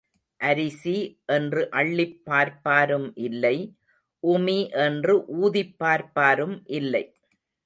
அரிசி என்று அள்ளிப் பார்ப்பாரும் இல்லை, உமி என்று ஊதிப் பார்ப்பாரும் இல்லை.